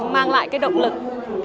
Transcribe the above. mang lại cái động lực